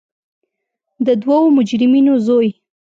د دوو مجرمینو زوی.